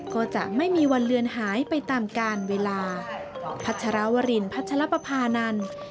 ก็จะไม่มีวันเลือนหายไปตามการเวลา